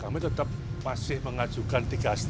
masih mengajukan tiga lima